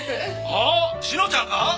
あっ志乃ちゃんが？